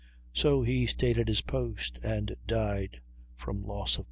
So he stayed at his post, and died from loss of blood.